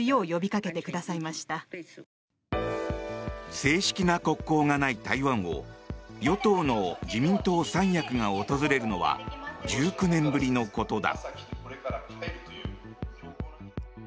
正式な国交がない台湾を与党の自民党三役が訪れるのは１９年ぶりのことだ。